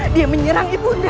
dia menyerang ibu nda